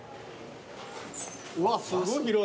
うわすごい広い。